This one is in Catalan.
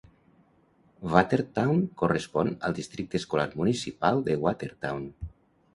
Watertown correspon al districte escolar municipal de Watertown.